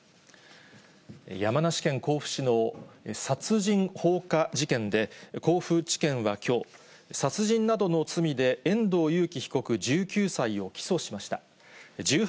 山梨県甲府市の殺人放火事件で、甲府地検はきょう、殺人などの罪で、遠藤裕喜被告１９歳を起訴しました。